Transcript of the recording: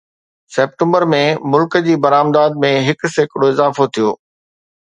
September ۾، ملڪ جي برآمدات ۾ هڪ سيڪڙو اضافو ٿيو